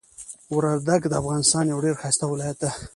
وردګ د افغانستان یو ډیر ښایسته ولایت ده.